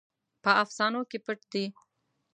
په افسانو کې پټ دی.